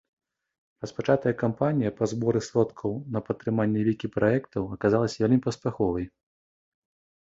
Распачатая кампанія па зборы сродкаў на падтрыманне вікі-праектаў аказалася вельмі паспяховай.